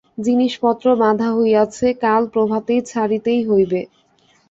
জিনিসপত্র বাঁধা হইয়াছে, কাল প্রভাতেই ছাড়িতেই হইবে।